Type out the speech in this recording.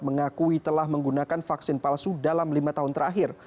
mengakui telah menggunakan vaksin palsu dalam lima tahun terakhir